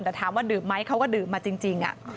แต่ถามว่าดื่มไหมเขาก็ดื่มมาจริง